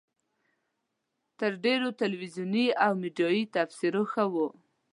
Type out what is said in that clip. تر ډېرو تلویزیوني او میډیایي تبصرو ښه وه.